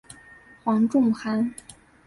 黄仲涵。